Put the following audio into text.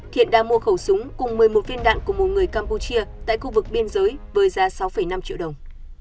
thiện đã mua khẩu súng cùng một mươi một viên đạn của một người campuchia tại khu vực biên giới với giá sáu năm triệu đồng